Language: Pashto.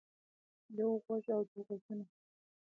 يو غوږ او دوه غوږونه